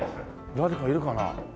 誰かいるかな？